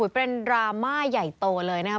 เป็นดราม่าใหญ่โตเลยนะครับ